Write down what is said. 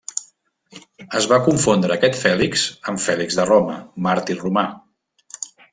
Es va confondre aquest Fèlix amb Fèlix de Roma, màrtir romà.